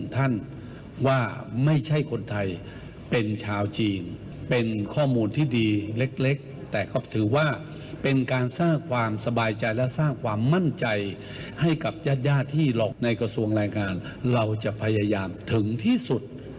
ที่หลอกในกระทรวงรายงานเราจะพยายามถึงที่สุด